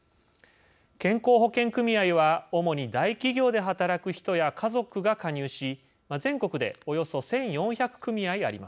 健康保険組合は主に大企業で働く人や家族が加入し全国でおよそ１，４００組合あります。